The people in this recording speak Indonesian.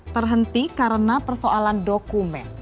terhenti karena persoalan dokumen